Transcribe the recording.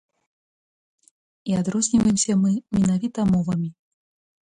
І адрозніваемся мы менавіта мовамі.